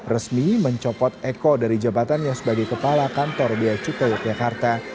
resmi mencopot eko dari jabatannya sebagai kepala kantor biaya cukai kekarta